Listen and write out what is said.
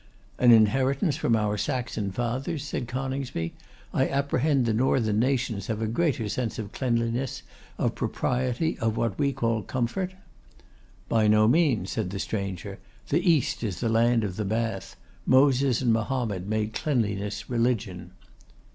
'An inheritance from our Saxon fathers?' said Coningsby. 'I apprehend the northern nations have a greater sense of cleanliness, of propriety, of what we call comfort?' 'By no means,' said the stranger; 'the East is the land of the Bath. Moses and Mahomet made cleanliness religion.